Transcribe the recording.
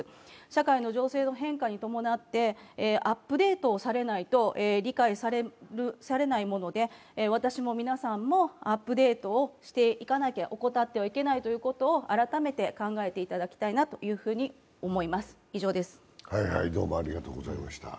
社会の情勢の変化に伴ってアップデートをされないと理解されないもので、私も皆さんもアップデートを怠ってはいけないということを改めて考えていただきたいなと思います。